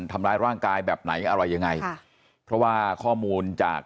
ทำร้ายร่างกายแบบไหนอะไรยังไงค่ะเพราะว่าข้อมูลจาก